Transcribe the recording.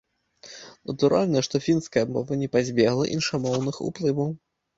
Натуральна, што фінская мова не пазбегла іншамоўных уплываў.